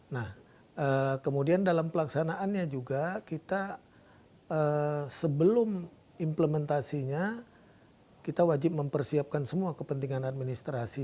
nah kemudian dalam pelaksanaannya juga kita sebelum implementasinya kita wajib mempersiapkan semua kepentingan administrasi